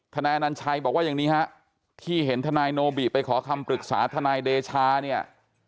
นายอนัญชัยบอกว่าอย่างนี้ฮะที่เห็นทนายโนบิไปขอคำปรึกษาทนายเดชาเนี่ย